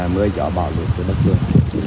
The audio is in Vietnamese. mưa gió bão lụt trên đất nước